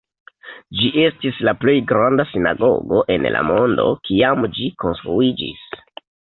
Ĝi estis la plej granda sinagogo en la mondo, kiam ĝi konstruiĝis.